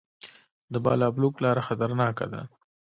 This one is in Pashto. د بالابلوک لاره خطرناکه ده